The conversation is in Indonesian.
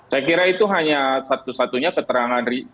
saya kira itu hanya satu satunya keterangan